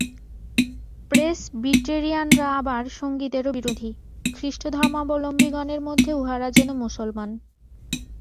প্রেসবিটেরিয়ানরা আবার সঙ্গীতেরও বিরোধী, খ্রীষ্টধর্মাবলম্বিগণের মধ্যে উহারা যেন মুসলমান।